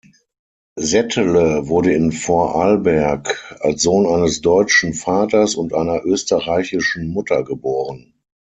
Settele wurde in Vorarlberg als Sohn eines deutschen Vaters und einer österreichischen Mutter geboren.